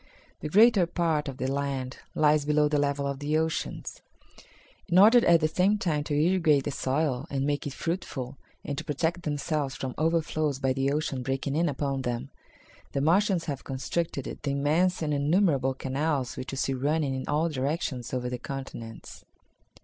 The greater part of the land lies below the level of the oceans. In order at the same time to irrigate the soil and make it fruitful, and to protect themselves from overflows by the ocean breaking in upon them, the Martians have constructed the immense and innumerable canals which you see running in all directions over the continents."